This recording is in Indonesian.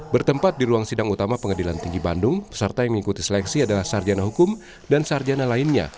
bertempat di ruang sidang utama pengadilan tinggi bandung peserta yang mengikuti seleksi adalah sarjana hukum dan sarjana lainnya